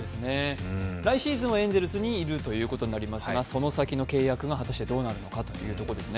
来シーズンはエンゼルスにいるということになりますがその先の契約が果たしてどうなるのかということですね。